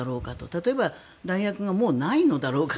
例えば弾薬がもうないのだろうか